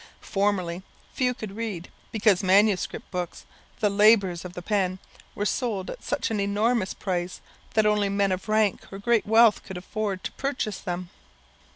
Formerly few could read, because manuscript books, the labours of the pen, were sold at such an enormous price that only men of rank or great wealth could afford to purchase them.